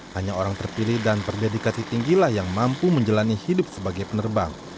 hanya orang terpilih dan perdedikasi tinggi lah yang mampu menjalani hidup sebagai penerbang